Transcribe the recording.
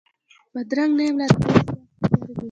بدرنګه نه یم لا تراوسه داسي سترګې،